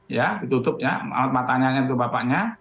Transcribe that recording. ya ditutup ya alat matanya itu bapaknya